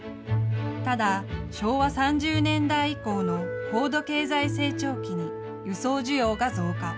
ただ昭和３０年代以降の高度経済成長期に輸送需要が増加。